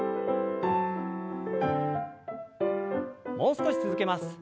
もう少し続けます。